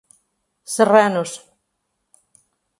Serranos